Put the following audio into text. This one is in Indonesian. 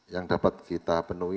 yang dapat kita penuhi